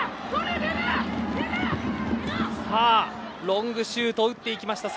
ロングシュートを打っていきました